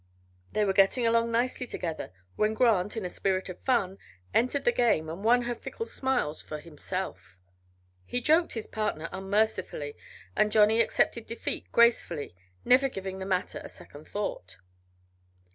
They were getting along nicely together when Grant, in a spirit of fun, entered the game and won her fickle smiles for himself. He joked his partner unmercifully, and Johnny accepted defeat gracefully, never giving the matter a second thought.